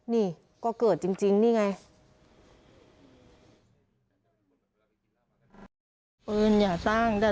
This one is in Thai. นี่ก็เกิดจริงนี่ไง